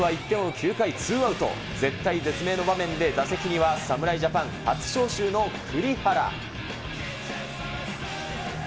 ９回ツーアウト、絶体絶命の場面で打席には侍ジャパン、初招集の栗原。